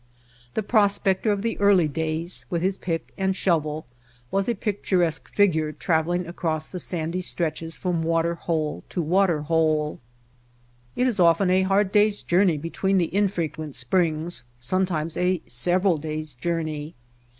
The prospector of the early days with his pick and shovel was a picturesque figure traveling across the sandy stretches from water hole to water hole. It is often a hard day's journey be tween the infrequent springs, sometimes a sev eral days' journey.